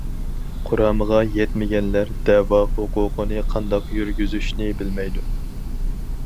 قۇرامىغا يەتمىگەنلەر دەۋا ھوقۇقىنى قانداق يۈرگۈزۈشنى بىلمەيدۇ.